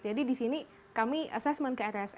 di sini kami assessment ke rs